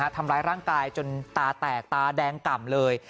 ทำร้ายร่างกายจนตาแตกตาแดงก่ำเลย